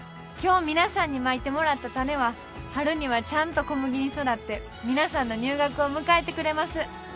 今日皆さんにまいてもらった種は春にはちゃんと小麦に育って皆さんの入学を迎えてくれます。